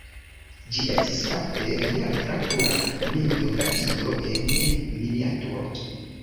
Ĝi estis fakte lia literatura membiografio en miniaturo.